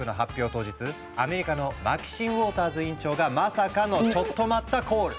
当日アメリカのマキシン・ウォーターズ委員長がまさかのチョット待ったコール！